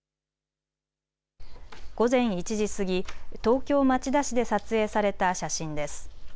午前１時過ぎ、東京町田市で撮影された写真です。